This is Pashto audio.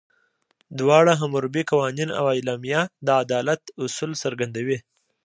دواړه، حموربي قوانین او اعلامیه، د عدالت اصول څرګندوي.